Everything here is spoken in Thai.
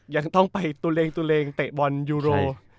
ยังต้องไปตัวเองเตะบอลยูโร